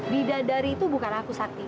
bidadari itu bukan aku sakti